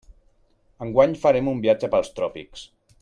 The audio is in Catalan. Enguany farem un viatge pels tròpics.